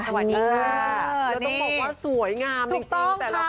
ต้องบอกว่าสวยงามจริงแต่ละคน